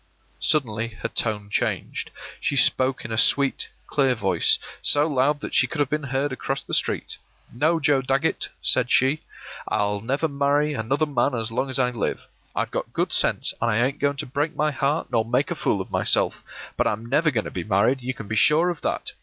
” Suddenly her tone changed. She spoke in a sweet, clear voice, so loud that she could have been heard across the street. “No, Joe Dagget,” said she, “I'll never marry any other man as long as I live. I've got good sense, an' I ain't going to break my heart nor make a fool of myself; but I'm never going to be married, you can be sure of that.